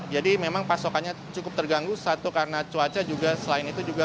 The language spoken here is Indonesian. jadi memang pasokannya cukup terganggu satu karena cuaca juga selain itu juga